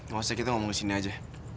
gak usah kita ngomong disini aja